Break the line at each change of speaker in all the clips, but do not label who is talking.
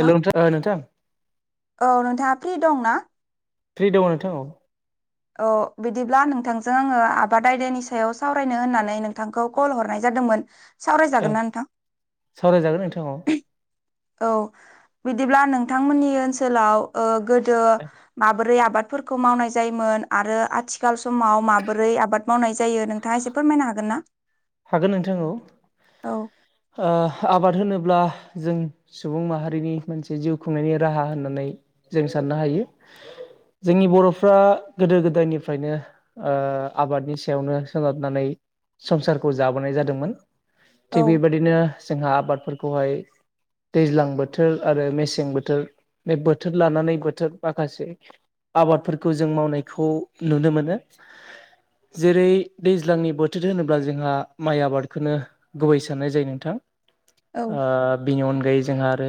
Hello नोंथां ओ नोंथां
औ नोंथाङा फ्रि दंना
फ्रि दङ नोंथां औ
औ बिदिब्ला नोंथांजों आङो आबाद आयदानि सायाव सावरायनो होननानै नोंथांखौ कल हरनाय जादोंमोन सावरायजागोनना नोंथां
सावरायजागोन नोंथां औ
औ बिदिब्ला नोंथांमोननि ओनसोलाव ओ गोदो माबोरै आबाद फोरखौ मावनाय जायोमोन आरो आथिखाल समाव माबोरै आबाद मावनाय जायो नोंथाङा एसे फोरमायनो हागोनना [inaudible]
हागोन नोंथां औ ओ आबाद होनोब्ला जों सुबुं माहारिनि मोनसे जिउ खुंनायनि राहा होननानै जों साननो हायो जोंनि बर'फ्रा गोदो गोदायनिफ्रायनो ओ आबादनि सायावनो सोनारनानै संसार खौ जाबोनाय जादोंमोन
औ
थिग बेबायदिनो जोंहा आबादफोरखौहाय दैज्लां बोथोर आरो मेसें बोथोर बे बोथोर लानानै बोथोर माखासे आबादफोरखौ जों मावनायखौ नुनो मोनो जेरै दैज्लांनि बोथोर होनोब्ला जोंहा माइ आबादखौनो गुबै साननाय जायो नोंथां
औ
आ बिनि अनगायै जोंहा आरो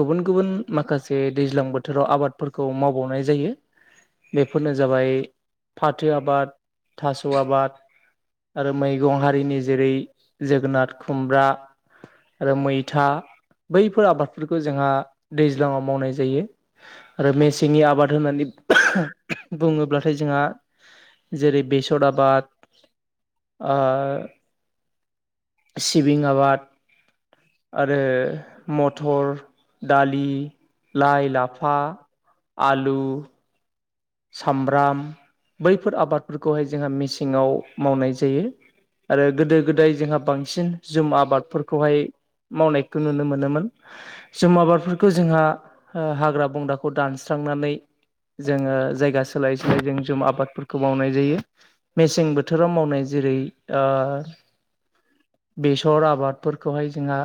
गुबुन गुबुन माखासे दैज्लां बोथोराव आबादफोरखौ मावबावनाय जायो बेफोरनो जाबाय फाथो आबाद थास आबाद आरो मैगं हारिनि जेरै जोगोनार खुमब्रा आरो मैथा बैफोर आबादफोरखौ जोंहा दैज्लाङाव मावनाय जायो आरो मेसेंनि आबाद होननानै बुङोब्लाथाय जोंहा जेरै बेसर आबाद आ सिबिं आबाद आरो मथर दालि लाइ लाफा आलु सामब्राम बैफोर आबादफोरखौहाय जोंहा मेसेङाव मावनाय जायो आरो गोदो गोदाय जोंहा बांसिन जुम आबादफोरखौहाय मावनायखौ नुनो मोनोमोन जुम आबादफोरखौ जोंहा हाग्रा बंग्राखौ दानस्रांनानै जोङो जायगा सोलाय सोलाय जों जुम आबादफोरखौ मावनाय जायो मेसें बोथोराव मावनाय जेरै ओ बेसर आबादफोरखौहाय जोंहा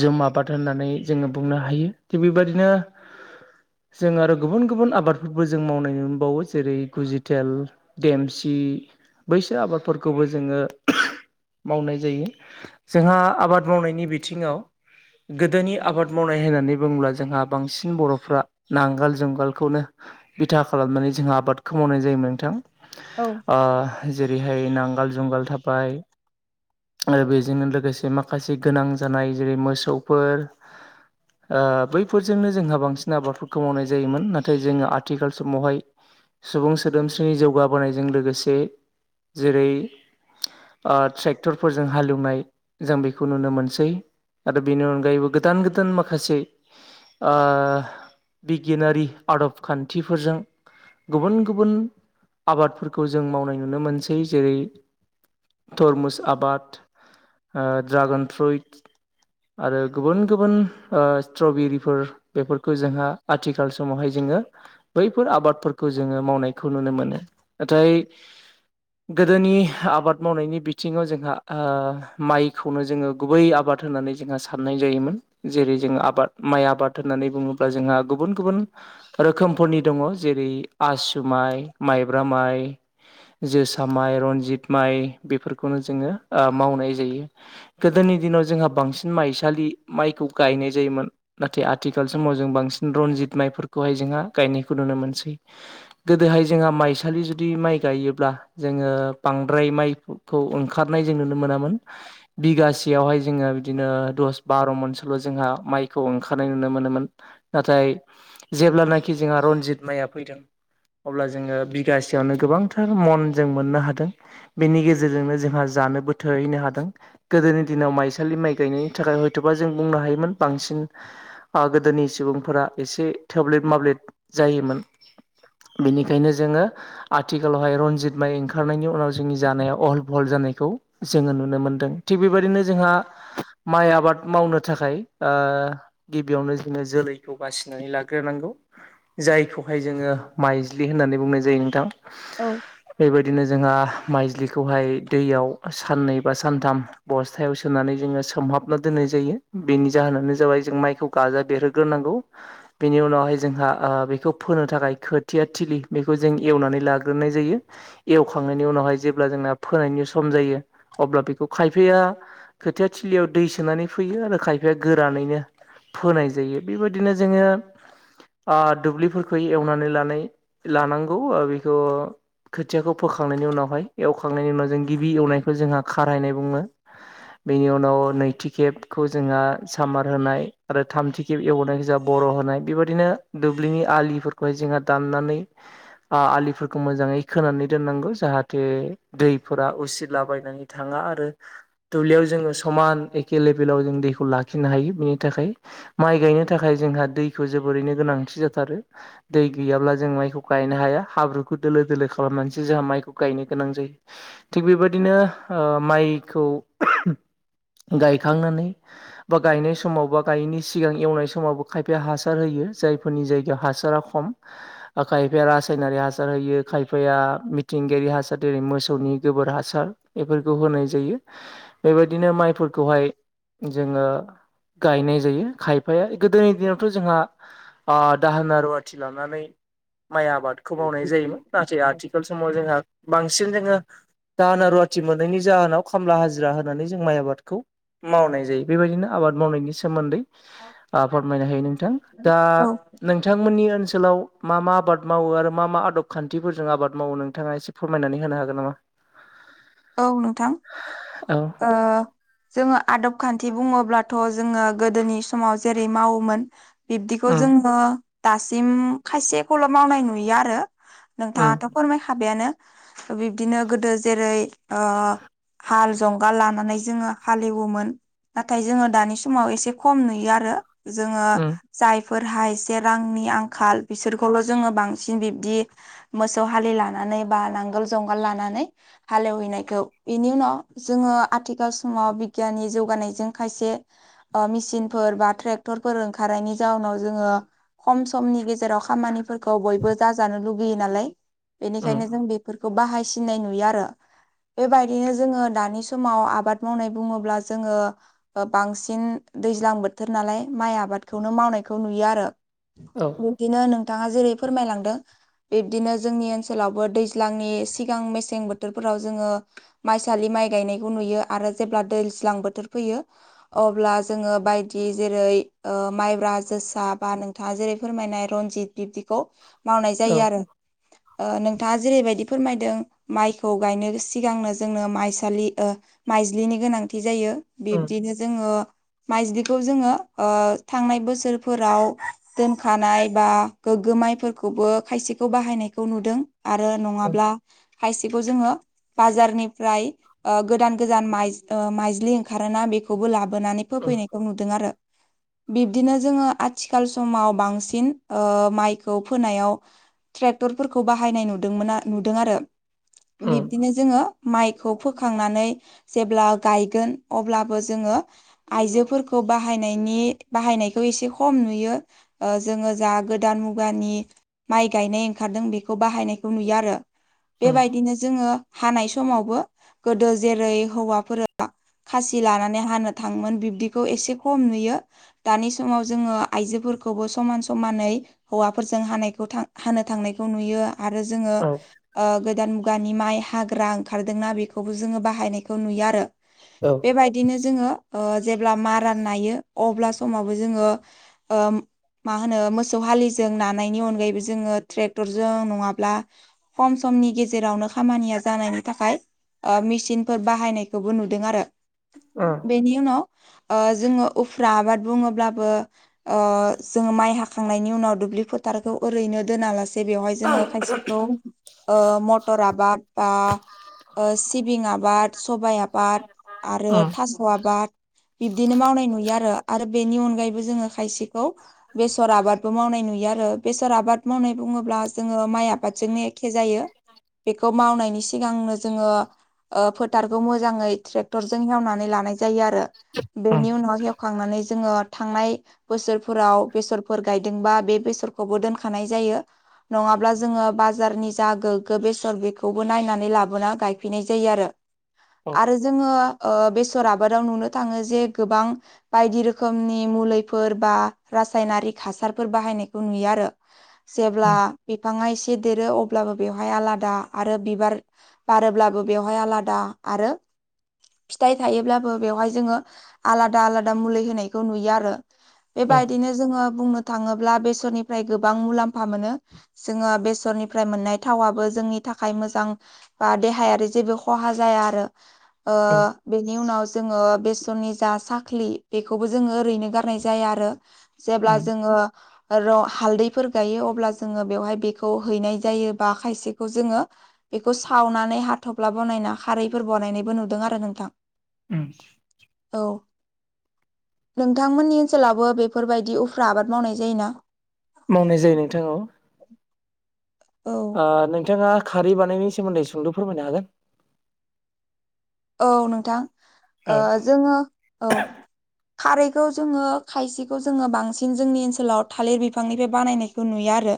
जों आबाद होननानै जोङो बुंनो हायो थिग बेबायदिनो जों आरो गुबुन गुबुन आबाद फोरबो जों मावनाय नुबावो जेरै गुजिथेल देमसिना बैसोर आबादफोरखौबो जोङो मावनाय जायो जोंहा आबाद मावनायनि बिथिङावो गोदोनि आबाद मावनाय होननानै बुङोब्ला जोंहा बांसिन बर'फ्राबो नांगोल जुंगालखौनोबो बिथा खालामनानै जोंहा आबादखौ मावनाय जायोमोन नोंथां।
औ।
जेरैहाय नांगाल जुंगाल थाबाय। आरो बेजोंनो लोगोसे माखासे गोनां जानाय जेरै मोसौफोर बैफोरजोंनो जोंहा बांसिन आबादफोरखौ मावनाय जायोमोन नाथाय जोंहाबो आथिखाल समावहायो सुबुं सोदोमस्रिनि जौगाबोनायजों लोगोसे जेरैहाय आ ट्रेक्टरफोरजों हालेवनाय जों बेखौ नुनो मोनसैना आरो बेनि अनगायैबो गोदान गोदान माखासेआ बिगियानारि आदब खान्थिफोरजोंबो गुबुन गुबुन आबादफोरखौ जों मावनाय नुनो मोनसै जेरै थरमुस आबाद ड्रागन फ्रुइट आरो गुबुन गुबुन स्ट्रबेरिफोरा बेफोरखौ जोंहा आथिखाल समावहाय जोङोहाय बैफोर आबादफोरखौ जोङो मावनायखौ नुनो मोनो नाथाय
[inaudible]
गोदोनि आबाद मावनायनि बिथिङाव जोंहा माइखौनो जोङो गुबै आबाद होननानै जोंहा सानोना हाबनाय जायोमोन जेरै जों आबाद माइ आबाद होननानै बुङोब्ला जोंहा गुबुन गुबुनाव रोखोमफोरनि दङ जेरै आसु माइ माइब्रा माइआ जोसा माइ रनजित माइ बेफोरखौनो जोङो मावनाय जायो। गोदोनि दिनाव जोंहा बांसिन माइसालि माइखौ गायनाय जायोमोना। नाथाय आथिखाल समाव जों बांसिन रनजित माइफोरखौहाय जोंहा गायनायखौ नुनो मोनसैओ। गोदोहाय जोंहा माइसालि जुदि माइ गायोब्ला जोङो बांद्राय माइफोरखौ ओंखारनाय जों नुनो मोनामोनो। बिगासेयावहाय जोङो बिदिनो दस बार' मनसोल' जोंहा माइखौ ओंखारनाय नुनो मोनोमोना। नाथाय जेब्लानाखि जोंहा रनजित माइआ फैदों। अब्ला जोङो बिगासेयावनो गोबांथार मन जों मोननो हादों ओ। बेनि गेजेरजोंनो जोंहा जानोबो थोहैनो हादोंआ। गोदोनि दिनाव माइसालि माइ गायनायनि थाखाय हयथ'बा जों बुंनो हायोमोन बांसिना आ गोदोनि सुबुंफोरा एसे थोब्लेब माब्लेब जायोमोना। बेनिखायनो जोङोओ आथिखालावहाय रनजित माइ ओंखारनायनि उनाव जोंनि जानाया अहल बहल जानायखौनो जोङो नुनो मोनदों थिग बेबादिनो जोंहा माइ आबाद मावनो थाखाय गिबियावनो जोङो जोलैखौ बासिनानै लाग्रो ग्रोनांगौ जायखौहाय जोङो माइज्लि होननानै बुंनाय जायो नोंथां।
[inaudible]
बेबायदिनो जोंहा माइज्लिखौहाय दैयाव साननै बा सानथाम बस्थायाव सोनानै जोङो सोमहाबना दोननाय जायो बेनि जाहोनानो जाबाय जों माइखौबो गाजा बेरहोग्रोनांगौ। बेनि उनावहाय जोंहा बेखौ फोनो थाखाय खोथिया थिलि बेखौ जों एवनानै लाग्रोनाय जायो। एवखांनायनि उनावहाय जेब्ला जोंना फोनायनि सम जायो अब्ला बेखौ खायफायाबो खोथिया थिलियाव दै सोनानै फैयो आरो खायफाया गोरानैनो आं फोनाय जायो बेबादिनो जोङो आ दुब्लिफोरखौ एवनानै लानाय लानांगौ बेखौओ। खोथियाखौ फोखांनायनि उनावहाय एवखांनायनि उनाव जों गिबि एवनायखौ जोंहा खारायनाय बुङो। बेनि उनाव नैथि खेबखौ जोंहा सामार होनाय आरो थामथि खेब एवनायखौ जोंहा बर' होनाय बेबायदिनो दुब्लिनि आलिफोरखौहाय जोंहा दाननानै आ आलिफोरखौ मोजाङै खोनानै दोननांगौ जाहाथे दैफोरा उसिलाबायनानै थाङा आरो दुब्लियाव जोङो समान एखे लेभेलाव जों दैखौ लाखिनो हायो बिनि थाखाय माइ गायनो थाखाय जोंहा दैखौ जोबोरैनो गोनांथि जाथारो। दै गैयाब्ला जों माइखौ गायनो हाया हाब्रुखौ दोलो दोलो खालामनानैसो जोंहा माइखौ गायनो गोनां जायो। थिग बेबायदिनो ओ माइखौ गायखांनानै बा गायनाय समाव बा गायैनि सिगां एवनाय समावबो खायफाया हासार होयो जायफोरनि जायगायाव हासारा खम। खायफाया रासायनारि हासार होयो खायफाया मिथिंगायारि हासार जेरै मोसौनि गोबोर हासार बेफोरखौ होनाय जायो बेबायदिनो माइफोरखौहाय जोङो गायनाय जायो खायफाया गोदोनि दिनावथ जोंहा ओ दाहोना रुवाथि लानानै माइ आबादखौ मावनाय जायोमोन नाथाय आथिखाल समाव जोंहा बांसिन जोङो दाहोना रुवाथि मोननायनि जाहोनाव खामला हाजिरा होनानै जों माइ आबादखौ मावनाय जायो। बेबायदिनो आबाद मावनायनि सोमोन्दै फोरमायनो हायो नोंथां दा
औ
नोंथांमोननि ओनसोलाव मा मा आबाद मावो आरो मा मा आदब खान्थिफोरजों आबाद मावो नोंथाङा एसे फोरमायनानै होनो हागोन नामा?
औ नोंथां
औ
ओ जोङो आदब खान्थि बुङोब्लाथ' जोङो गोदोनि समाव जेरै मावोमोन बिब्दिखौ
उम
जोङो दासिम खायसेखौल' मावनाय नुयो आरो।
उम
नोंथाङाथ' फोरमायखाबायानो बिब्दिनो गोदो जेरै ओ हाल जंगाल लानानै जोङो हाल एवोमोन नाथाय जोङो दानि समाव एसे खम नुयो आरो जोङो
उम
जायफोरहा एसे रांनि आंखाल बिसोरखौल' जोङो बांसिन बिब्दि मोसौ हालि लानानै बा नांगोल जुंगाल लानानै हाले एवहैनाय खौ बेनि उनाव जोङो आथिखाल समाव बिगियाननि जौगानायजों खायसे मेसिनफोर बा ट्रेक्टरफोर ओंखारनायनि जाउनाव जोङो खम समनि गेजेराव खामानिफोरखौ बयबो जाजानो लुगैयो नालाय।
उम
इनिखायनो जों बेफोरखौ बाहायसिनाय नुयो आरो। बेबायदिनो जोङो दानि समाव आबाद मावनाय बुङोब्ला जोङो बांसिन दैज्लां बोथोर नालाय माइ आबादखौनो मावनायखौ नुयो आरो।
औ
बिदिनो नोंथाङा जेरै फोरमायलांदों बिब्दिनो जोंनि ओनसोलावबो दैज्लांनि सिगां मेसें बोथोरफोराव जोङो माइसालि माइ गायनायखौ नुयो आरो जेब्ला दैज्लां बोथोर फैयो अब्ला जोङो बायदि जेरै ओ माइब्रा जोसा बा नोंथाङा जेरै फोरमायनाय रनजित बिबदिखौ मावनाय जायो
औ
आरो। ओ नोंथाङा जेरैबायदि फोरमायदों माइखौ गायनो गोसो सिगांनो जोंनो माइसालि माइज्लिनि गोनांथि जायो
उम
बिब्दिनो जोङो माइज्लिखौ जोङो ओ थांनाय बोसोरफोराव दोनखानाय बा गोगोमायफोरखौबो खायसेखौ बाहायनायखौ नुदों। आरो
उम
नङाब्ला खायसेखौ जोङो बाजारनिफ्राय गोदान गोदान माइ माइज्लि ओंखारोना बेखौबो लाबो नानै
उम
फोफैनायखौ नुदों आरो। बिब्दिनो जोङो आथिखाल समाव बांसिन माइखौ फोनायाव ट्रेक्टरफोरखौ बाहायनाय नुदोंमोन नुदों आरो बिब
उम
नों माइखौ फोखांनानै जेब्ला गायगोन अब्लाबो जोङो आइजोफोरखौ बाहायनायनि बाहायनायखौ एसे खम नुयो। ओ जोङो जा गोदान मुगानि माइ गायनाय ओंखारदों बेखौ बाहायनायखौ नुयो आरो।
उम
बेबायदिनो जोङो हानाय समावबो गोदो जेरै हौवाफोरा खासि लानानै हानो थाङोमोन बिब्दिखौ एसे खम नुयो। दानि समाव जोङो आइजोफोरखौबो समान समानै हौवाफोरजों हानायखौ हानो थांनायखौ नुयो। आरो जोङो
औ
ओ गोदान मुगानि माइ हाग्रा ओंखारदोंना बेखौबो जोङो बाहायनायखौ नुयो आरो बेबायदिनो जोङो ओ जेब्ला मारा नायो अब्ला समावबो जोङो ओ माहोनो मोसौ हालिजों नानायनि अनगायैबो जोङो ट्रेक्टरजों नङाब्ला खम समनि गेजेरावनो खामानिया जानायनि थाखाय ओ मेसिनफोर बाहायनायखौबो नुदों आरो।
ओ
बेनि उनाव ओ जोङो उफ्रा आबाद बुङोब्लाबो ओ जोङो माइ हाखांनायनि उनाव दुब्लि फोथारखौ ओरैनो दोनालासेनो जे बेवहाय जोङो खायसेखौ ओ मटर आबाद बा ओ सिबिं आबाद सबाइ आबाद आरो थास' आबाद। बिब्दिनो मावनाय नुयो आरो आरो बेनि अनगायैबो जोङो खायसेखौ बेसर आबादबो मावनाय नुयो आरो बेसर आबाद मावनाय बुङोब्ला जोङो माइ आ आबादजोंनो एखे जायो। बेखौ मावनायनि सिगांनो जोङो ओ फोथारखौ मोजाङै ट्रेक्टरजों एवनानै लानाय जायो आरो बेनि उनाव एवखांनानै जोङो थांनाय बोसोरफोराव बेसरफोर गायदोंबा बे बेसरखौबो दोनखानाय जायो। नङाब्ला जोङो बाजारनि जा गोग्गो बेसर बे नायनानै लाबोना गायफैनाय जायो
उम
आरो जोङो बेस फोर आबादाव नुनो थाङो जे गोबां बायदि रोखोमनि मुलिफोर बा रासायनारिक हासारफोर बाहायनायखौ नुयो आरो। जेब्ला
उम
बिफाङा एसे देरो अब्लाबो बेवहाय आलादा आरो बिबार बारोब्लाबो बेवहाय आलादा आरो फिथाइ थायोब्लाबो बेवहाय जोङो आलादा आलादा मुलि होनायखौ नुयो आरो।
औ उम औ
बेबायदिनो जोङो बुंनो थाङोब्ला बेसरनिफ्राय गोबां मुलाम्फा मोनो। जोङो बेसरनिफ्राय मोननाय थावाबो जोंनि थाखाय मोजां बा देहायारि जेबो खहा जाया आरो। ओ
औ
बेनि उनाव जोङो बेसननि जा सा खाख्लि बेखौबो जोङो ओरैनो गारनाय जाया आरो जेब्ला
उम
जोङो र' हालदैफोर गायो अब्ला जोङो बेवहाय बेखौ हैनाय जायो बा खायसेखौ जोङो बेखौ सावनानै हाथफ्ला बनायना खारैफोर बानायनायबो नुदों आरो नोंथां।
उम
औ नोंथांमोननि ओनसोलावबो बेफोरबायदि उफ्रा आबाद मावनाय जायोना?
मावनाय जायो नोंथां औ
औ
ओ नोंथाङा खारै बानायनायनि सोमोन्दै सुंद' फोरमायनो हागोन?
औ नोंथां
औ
ओ जोङो औ खारैखौ जोङो खायसेखौ जोङो बांसिन जोंनि ओनसोलाव थालिर बिफांनिफ्राय बानायनायखौ नुयो आरो।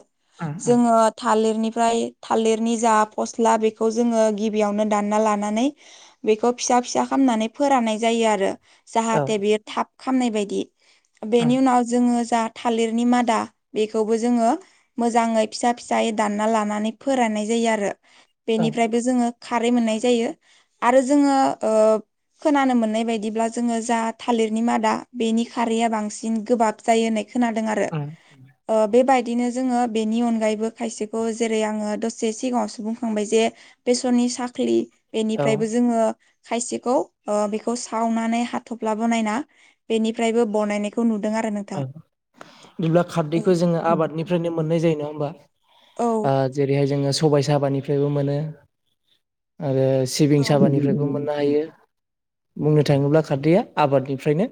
उम उम
जोङो थालिरनिफ्राय थालिरनि जा फस्ला बेखौ जोङो गिबियावनो दानना लानानै बेखौ फिसा फिसा खामनानै फोराननाय जायो आरो
औ
जाहाथे बियो थाब खामनाय बायदि
उम
बेनि उनाव जोङो जा थालिरनि मादा बेखौबो जोङो मोजाङै फिसा फिसायै दानना लानानै फोराननाय जायो आरो।
औ
बेनिफ्रायबो जोङो खारै मोननाय जायो आरो जोङो ओ खोनानो मोननाय बायदिब्ला जोङो जा थालिरनि मादा बेनि खारैया बांसिन गोबाब जायो होननाय खोनादों आरो
उम
ओ बेबायदिनो जोङो बेनि अनगायैबो खायसेखौ जेरै आङो दसे सिगाङावसो बुंखांबाय जे बेसरनि साखलि बे
औ
निफ्रायबो जोङो खायसेखौ ओ बेखौ सावनानै हाथफ्ला ब नायना बेनिफ्रायबो बनायनाय खौ नुदों आरो नोंथां
बिदिब्ला खारदैखौ जोङो आबादनिफ्रायनो मोननाय जायो नङा होमबा
औ
आ जेरैहाय जोङो सबाय साबानिफ्रायबो मोनो आरो सिबिं साबानिफ्रायबो मोननो हायो बुंनो थाङोब्ला खारदैया आबादनिफ्रायनो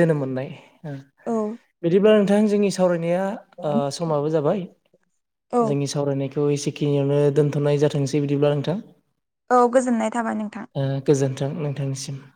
जोनोम मोननाय ओ
औ
बिदिब्ला नोंथां जोंनि सावरायनाया आ समाबो जाबाय जोंनि सावरायनाय खौ एसेखिनियावनो दोनथनाय जाथोंसै बिदिब्ला नोंथां
औ गोजोननाय थाबाय नोंथां
ओ गोजोन्थों नोंथांनिसिम